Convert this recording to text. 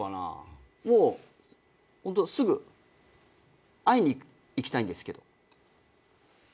もうホントすぐ「会いに行きたいんですけど」